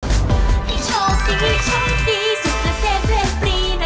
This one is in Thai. ช่วงดีช่วงดีสุดและเสมอเพลงปรี๋น